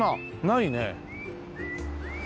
ないね。